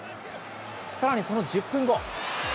さらにその１０分後。